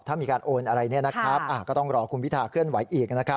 ถ้ามีการโอนอะไรก็ต้องรอคุณพิธาเคลื่อนไหวอีกนะครับ